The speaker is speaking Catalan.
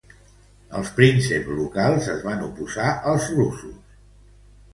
Els prínceps locals es va oposar als russos.